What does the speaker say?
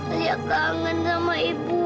alia kangen sama ibu